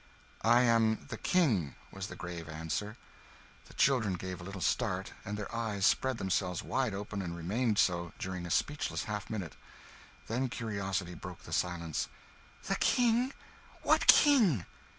"I am the King," was the grave answer. The children gave a little start, and their eyes spread themselves wide open and remained so during a speechless half minute. Then curiosity broke the silence "The King? What King?"